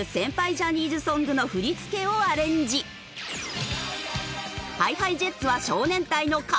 ジャニーズソングの振り付けをアレンジ。ＨｉＨｉＪｅｔｓは少年隊の『仮面舞踏会』。